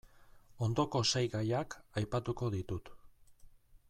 Ondoko sei gaiak aipatuko ditut.